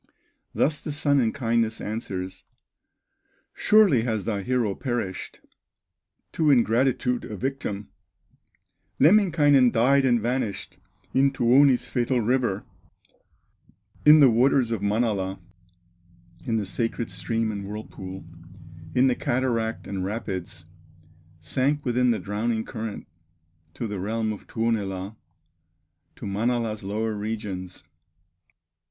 Thus the Sun in kindness answers: "Surely has thy hero perished, To ingratitude a victim; Lemminkainen died and vanished In Tuoni's fatal river, In the waters of Manala, In the sacred stream and whirlpool, In the cataract and rapids, Sank within the drowning current To the realm of Tuonela, To Manala's lower regions."